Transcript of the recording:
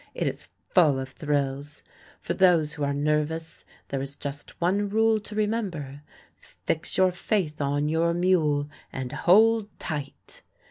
It is full of thrills. For those who are nervous there is just one rule to remember: "Fix your faith on your mule and hold tight."